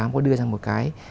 có đưa ra một cái